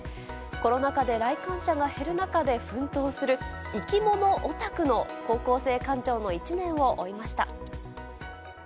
コロナ禍で来館者が減る中で奮闘する生き物オタクの高校生館長の１年を追いました。